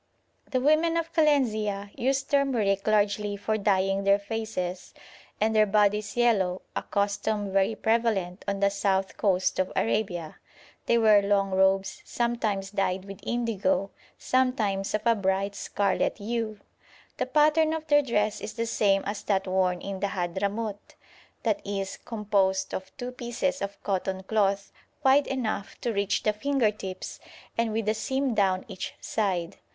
The women of Kalenzia use turmeric largely for dyeing their faces and their bodies yellow, a custom very prevalent on the south coast of Arabia; they wear long robes, sometimes dyed with indigo, sometimes of a bright scarlet hue. The pattern of their dress is the same as that worn in the Hadhramout, i.e. composed of two pieces of cotton cloth wide enough to reach the finger tips and with a seam down each side.